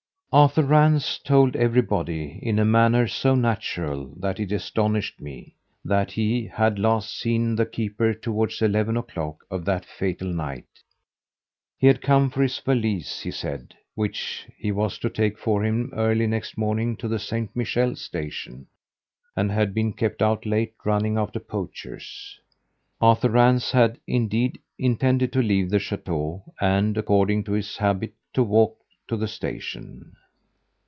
Arthur Rance told everybody, in a manner so natural that it astonished me, that he had last seen the keeper towards eleven o'clock of that fatal night. He had come for his valise, he said, which he was to take for him early next morning to the Saint Michel station, and had been kept out late running after poachers. Arthur Rance had, indeed, intended to leave the chateau and, according to his habit, to walk to the station.